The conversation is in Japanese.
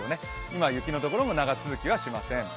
今、雪のところも長続きはしません。